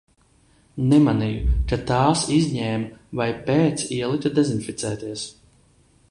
Nemanīju, ka tās izņēma vai pēc ielika dezinficēties.